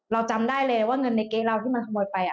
เราจำได้เลยว่าเงินในเก๊เราที่มันขโมยไป